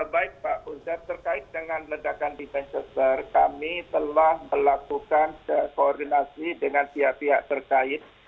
baik pak uzar terkait dengan ledakan di manchester kami telah melakukan koordinasi dengan pihak pihak terkait